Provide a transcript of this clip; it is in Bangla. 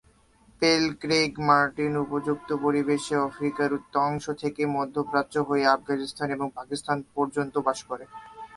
পেল ক্রেগ মার্টিন উপযুক্ত পরিবেশে আফ্রিকার উত্তরাংশ থেকে মধ্য প্রাচ্য হয়ে আফগানিস্তান এবং পাকিস্তান পর্যন্ত বাস করে।